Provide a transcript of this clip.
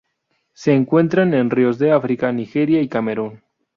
Se encuentran en ríos de África: Nigeria y Camerún.